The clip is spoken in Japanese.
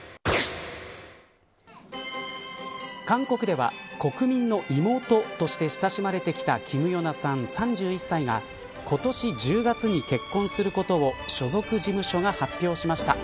韓国では国民の妹として親しまれてきたキム・ヨナさん３１歳が今年１０月に結婚することを所属事務所が発表しました。